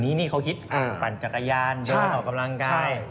เดี๋ยวนี้เขาคิดฝั่นจากอายานเบิ้ลต่อกำลังกาย